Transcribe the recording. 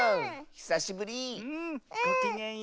ひさしぶり！